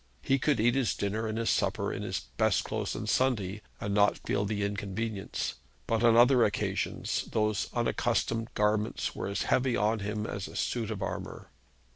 He could eat his dinner and his supper in his best clothes on Sunday, and not feel the inconvenience; but on other occasions those unaccustomed garments were as heavy to him as a suit of armour.